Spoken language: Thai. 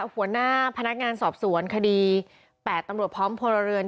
หัวหน้าพนักงานสอบสวนคดี๘ตำรวจพร้อมพลเรือน